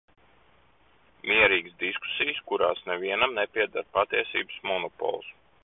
Mierīgas diskusijas, kurās nevienam nepieder patiesības monopols.